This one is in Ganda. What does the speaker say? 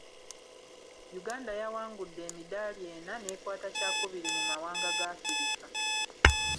Uganda yawangudde emidaali ena n'ekwata kyakubiri mu mawanga ga Afirika.